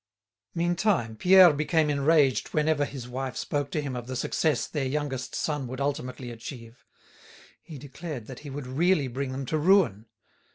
Meantime Pierre became enraged whenever his wife spoke to him of the success their youngest son would ultimately achieve; he declared that he would really bring them to ruin.